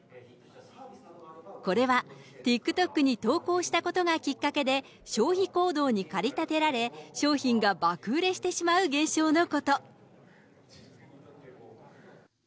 これは、ＴｉｋＴｏｋに投稿したことがきっかけで、消費行動に駆り立てられ、商品が爆売れしてしまう現象のこと。